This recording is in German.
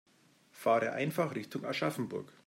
Fahre einfach Richtung Aschaffenburg